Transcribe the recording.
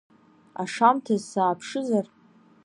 Ашамҭаз сааԥшызар…